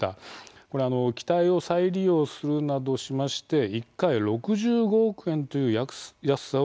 機体を再利用するなどしまして１回６５億円という安さを実現。